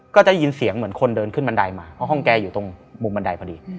ก็จะได้ยินเสียงเหมือนคนเดินขึ้นบันไดมาเพราะห้องแกอยู่ตรงมุมบันไดพอดี